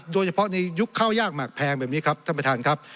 โดยเฉพาะในยุคข้าวยากหมากแพงแบบนี้ครับท่านประธานครับ